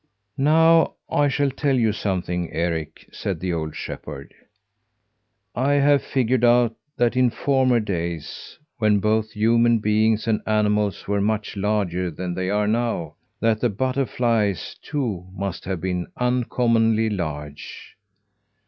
"Now I shall tell you something, Eric," said the old shepherd. "I have figured out that in former days, when both human beings and animals were much larger than they are now, that the butterflies, too, must have been uncommonly large.